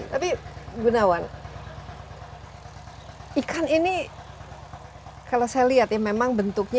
tapi gunawan ikan ini kalau saya lihat ya memang bentuknya